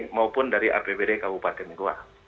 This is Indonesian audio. maupun dari apbd kabupaten goa